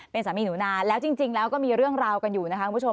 เป็นสามีหนูนานแล้วจริงแล้วก็มีเรื่องราวกันอยู่นะคะคุณผู้ชม